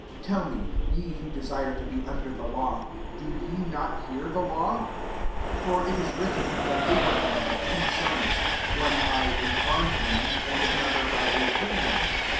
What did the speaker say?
21 Tell me, ye who desire to be under the law, do ye not hear the law ? 22 For it is writ ten, that Abraham had two sons; one by a bond woman, and another by a free woman.